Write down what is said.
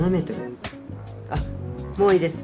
あっもういいです。